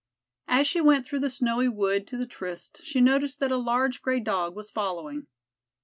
As she went through the snowy wood to the tryst she noticed that a large gray Dog was following.